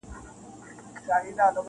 چي په پاڼو د تاریخ کي لوستلې-